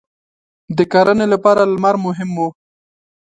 • د کرنې لپاره لمر مهم و.